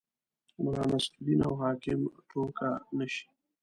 د ملا نصرالدین او حاکم ټوکه نه شي.